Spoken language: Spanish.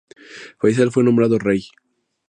Fáisal fue nombrado rey.